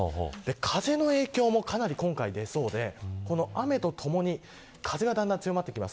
風の影響もかなり今回出そうでこの雨とともに風がだんだん強まってきます。